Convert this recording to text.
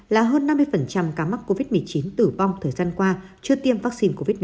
là hơn năm mươi cá mắc covid một mươi chín tử vong thời gian qua chưa tiêm vắc xin covid một mươi chín